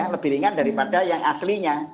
lebih ringan daripada yang aslinya